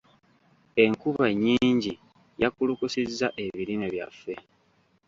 Enkuba ennyingi yakulukusizza ebirime byaffe.